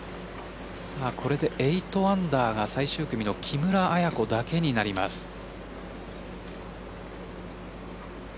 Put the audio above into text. これで８アンダーが最終組の木村彩子だけになります。